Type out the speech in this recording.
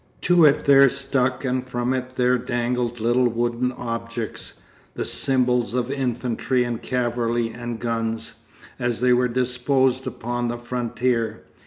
To it there stuck and from it there dangled little wooden objects, the symbols of infantry and cavalry and guns, as they were disposed upon the frontier.